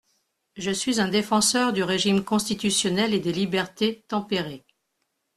Je suis un défenseur du régime constitutionnel et des libertés tempérées.